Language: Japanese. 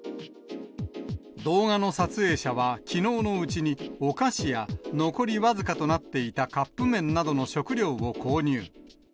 動画の撮影者は、きのうのうちに、お菓子や残り僅かとなっていたカップ麺などの食料を購入。